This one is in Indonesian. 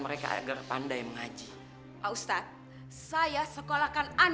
ini kita bertiga yang jagoan